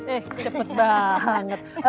eh cepat banget